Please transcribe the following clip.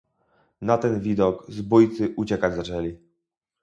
"Na ten widok zbójcy uciekać zaczęli."